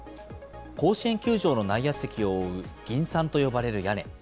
甲子園球場の内野席を覆う銀傘と呼ばれる屋根。